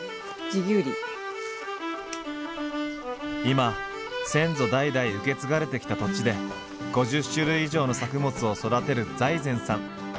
今先祖代々受け継がれてきた土地で５０種類以上の作物を育てる財前さん。